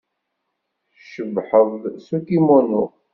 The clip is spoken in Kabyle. Tcebḥeḍ s ukimunu.